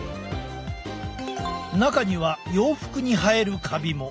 中には洋服に生えるカビも。